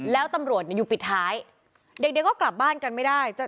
แล้วตำรวจอยู่ปิดท้ายเด็กเด็กก็กลับบ้านกันไม่ได้